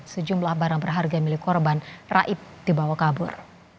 sejumlah barang berharga milik korban raib dibawa kabur